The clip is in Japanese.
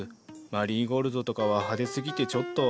マリーゴールドとかは派手すぎてちょっと。